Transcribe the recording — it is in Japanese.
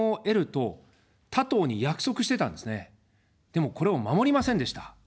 でも、これを守りませんでした。